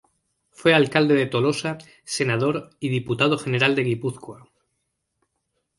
Fue alcalde de Tolosa, senador y Diputado General de Guipúzcoa.